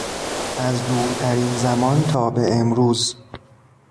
از دورترین زمان تا به امروز